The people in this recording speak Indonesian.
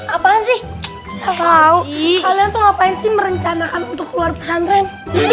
apaan sih kau ngapain sih merencanakan untuk keluar pesan rem